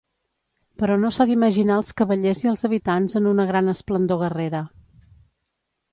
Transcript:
Però no s'ha d'imaginar els cavallers i els habitants en una gran esplendor guerrera.